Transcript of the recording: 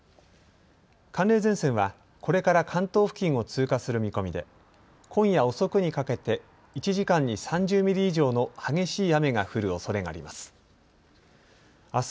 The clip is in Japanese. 寒冷前線は、これから関東付近を通過する見込みで今夜遅くにかけて１時間に３０ミリ以上の激しい雨が降るおそれがあります。